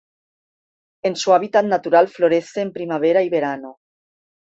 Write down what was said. En su hábitat natural florece en primavera y verano.